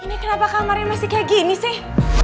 ini kenapa kamarnya masih kayak gini sih